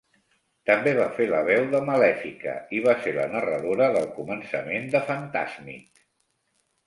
També va fer la veu de Malèfica i va ser la narradora del començament de "Fantasmic".